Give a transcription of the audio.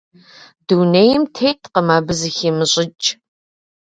Дунейм теткъым абы зыхимыщӀыкӀ.